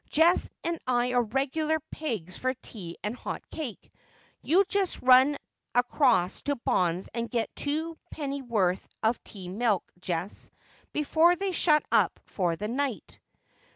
Jess and I are regular pigs for tea and hot cake. You just run across to Bond's and get two penn'orth, of tea milk, Jess, before they shut up for the night.'